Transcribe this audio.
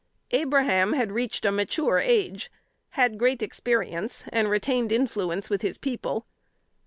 Abraham had reached a mature age; had great experience, and retained influence with his people.